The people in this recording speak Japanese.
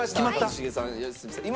一茂さん良純さん。